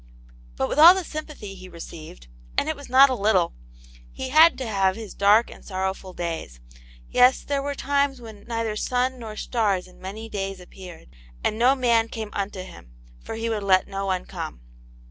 But with all the sympathy he received, and it was not a little, he had to have his dark and sor rowful days ; yes, there were times when *' neither sun nor stars in many days appeared," and np man came unto him, for he would let no one come.